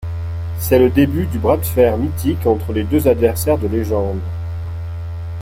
C’est le début du bras de fer mythique entre les deux adversaires de légende.